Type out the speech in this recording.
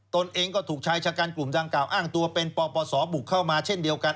ตนเองก็ถูกชายชะกันกลุ่มดังกล่าอ้างตัวเป็นปปศบุกเข้ามาเช่นเดียวกัน